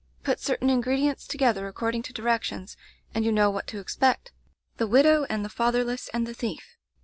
Put certain ingredients together according to directions, and you know what to expect. The widow and the fatherless and the thief.